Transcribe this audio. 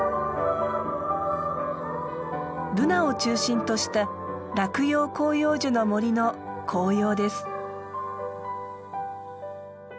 ブナを中心とした落葉広葉樹の森の紅葉です。